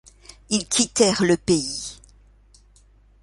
Ils quittèrent le pays.